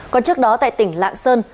còn trước đó tại tỉnh lạng sơn